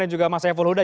dan juga mas efon huda